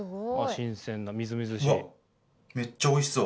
新鮮なみずみずしい。